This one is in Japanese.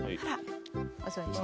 お座りして。